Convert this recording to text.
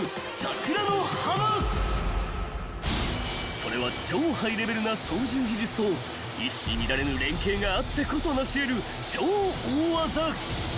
［それは超ハイレベルな操縦技術と一糸乱れぬ連携があってこそなし得る超大技］